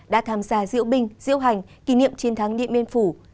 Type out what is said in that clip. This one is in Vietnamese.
đã tham gia diễu binh diễu hành kỷ niệm chiến thắng điện biên phủ